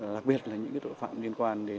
đặc biệt là những tội phạm liên quan đến